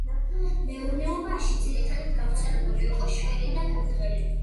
მეურნეობაში ძირითადად გავრცელებული იყო შველი და კურდღელი.